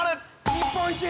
◆日本一！